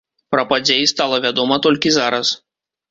Пра падзеі стала вядома толькі зараз.